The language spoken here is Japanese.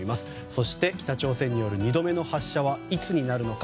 そして、北朝鮮による２度目の発射はいつになるのか。